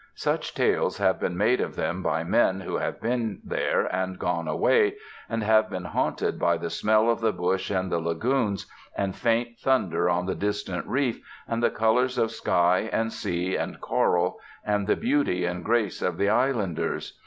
Such tales have been made of them by men who have been there, and gone away, and have been haunted by the smell of the bush and the lagoons, and faint thunder on the distant reef, and the colours of sky and sea and coral, and the beauty and grace of the islanders.